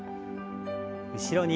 後ろに。